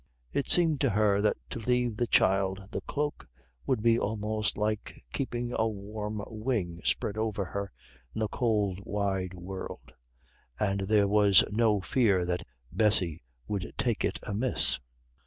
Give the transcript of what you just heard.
It seemed to her that to leave the child the cloak would be almost like keeping a warm wing spread over her in the cold wide world; and there was no fear that Bessy would take it amiss.